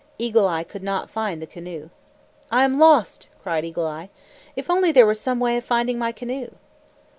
Eagle Eye could not find the canoe. "I am lost!" cried Eagle Eye. "If only there were some way of finding my canoe!"